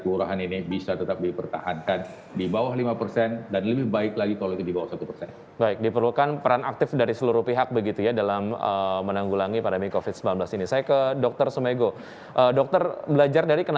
dan termasuk juga pembakaran